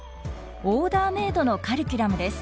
オーダーメードのカリキュラムです。